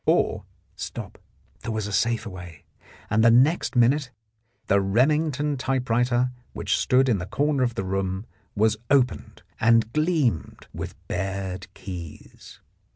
Or, stop —there was a safer way, and the next minute the Remington typewriter which stood in the corner of the room was opened and gleamed with bared keys.